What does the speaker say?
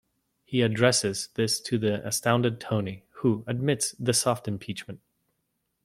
He addresses this to the astounded Tony, who admits the soft impeachment.